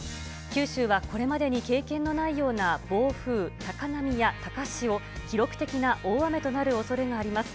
九州はこれまでに経験のないような暴風、高波や高潮、記録的な大雨となるおそれがあります。